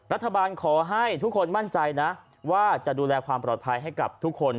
รัฐบาลขอให้ทุกคนมั่นใจนะว่าจะดูแลความปลอดภัยให้กับทุกคน